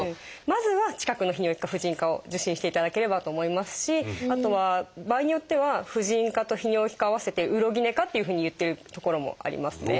まずは近くの泌尿器科婦人科を受診していただければと思いますしあとは場合によっては婦人科と泌尿器科を合わせて「ウロギネ科」っていうふうにいっている所もありますね。